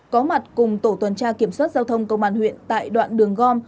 có mặt cùng tổ tuần tra kiểm soát giao thông công an huyện tại đoạn đường gom